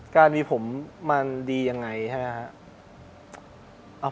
การมีผมมาดียังไงนะครับ